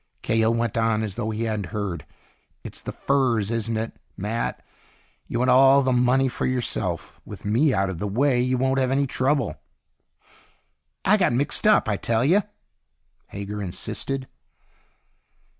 Cahill went on as though he hadn't heard. "It's the furs, isn't it, Matt? You want all the money for yourself. With me out of the way, you won't have any trouble." "I got mixed up, I tell you," Hager insisted.